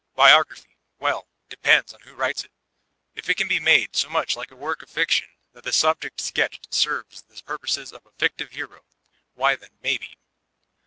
Biography, — ^well, it depends on who writes it I If it can be made so much like a work of fiction that the subject sketched serves the purposes of a fictive hero, why then — maybe.